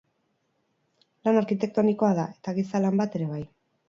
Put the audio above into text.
Lan arkitektonikoa da, eta giza lan bat ere bai.